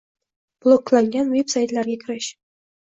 Bloklangan veb-saytlarga kirish